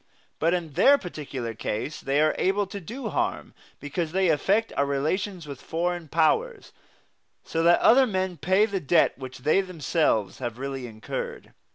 But in their particular case they are able to do harm because they affect our relations with foreign powers, so that other men pay the debt which they themselves have really incurred.